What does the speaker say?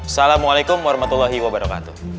assalamualaikum warahmatullahi wabarakatuh